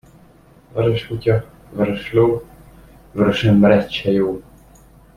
Vörös kutya, vörös ló, vörös ember egy se jó.